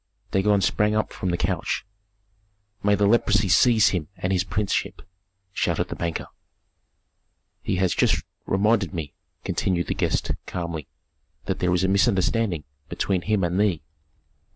Dagon sprang up from the couch. "May the leprosy seize him and his princeship!" shouted the banker. "He has just reminded me," continued the guest, calmly, "that there is a misunderstanding between him and thee."